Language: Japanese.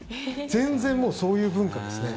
全然もう、そういう文化ですね。